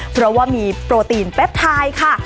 เพราะว่ามีโปรตีนเป็ดไทยค่ะ